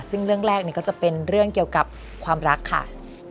ซึ่งเรื่องแรกก็จะเป็นเรื่องเกี่ยวกับความรักค่ะ